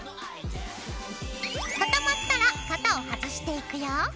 固まったら型を外していくよ。